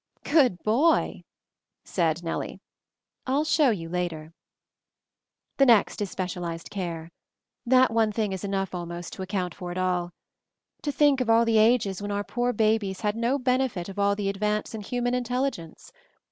"Good boy!" said Nellie. "I'll show you later." 198 MOVING THE MOUNTAIN "The next is specialized care. That one thing is enough, almost, to account for it all. To think of all the ages when our poor babies had no benefit at all of the advance in human intelligence